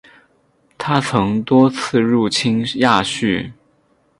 他曾多次入侵亚述。